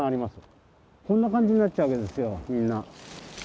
こんな感じになっちゃうわけですよみんな。